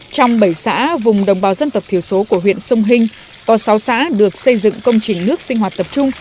trong bảy xã vùng đồng bào dân tộc thiểu số của huyện sông hinh có sáu xã được xây dựng công trình nước sinh hoạt tập trung